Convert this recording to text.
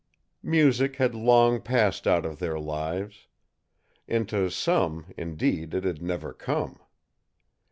Music had long passed out of their lives. Into some, indeed, it had never come.